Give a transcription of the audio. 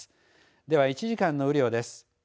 では、１時間の雨量です。